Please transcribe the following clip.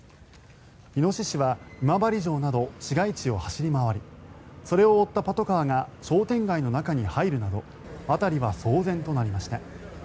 イノシシは今治城など市街地を走り回りそれを追ったパトカーが商店街の中に入るなど辺りは騒然となりました。